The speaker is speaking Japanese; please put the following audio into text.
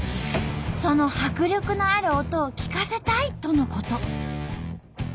その迫力のある音を聞かせたいとのこと。